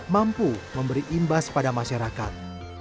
mampu memberi imbas pada masyarakat